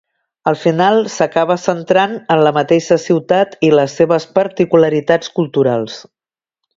Al final, s’acaba centrant en la mateixa ciutat i les seves particularitats culturals.